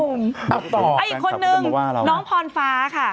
อีกคนนึงน้องพรฟ้าค่ะ